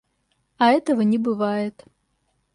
А этого не бывает.